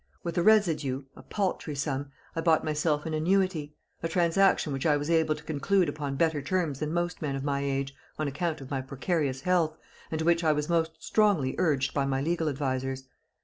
With the residue a paltry sum I bought myself an annuity; a transaction which I was able to conclude upon better terms than most men of my age, on account of my precarious health, and to which I was most strongly urged by my legal advisers.